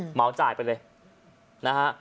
เหมาจ่ายไปเลยนะฮะ